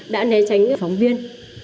đã né tránh phóng viên